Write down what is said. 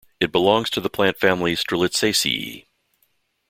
It belongs to the plant family Strelitziaceae.